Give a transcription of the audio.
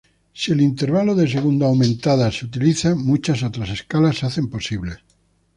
Si el intervalo de segunda aumentada se utiliza, muchas otras escalas se hacen posibles.